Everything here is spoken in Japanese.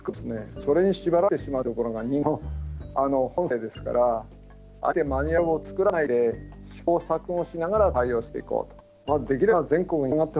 それに縛られてしまうっていうところが人間の本性ですからあえてマニュアルを作らないで試行錯誤しながら対応していこうと。